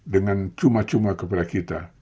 dengan cuma cuma kepada kita